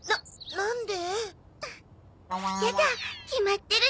なんで？